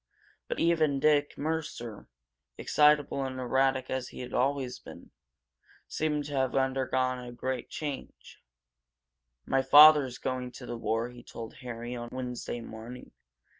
But even Dick Mercer, excitable and erratic as he had always been, seemed to have undergone a great change. "My father's going to the war," he told Harry on Wednesday morning.